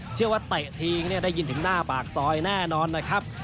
เตะทีงเนี่ยได้ยินถึงหน้าปากซอยแน่นอนนะครับ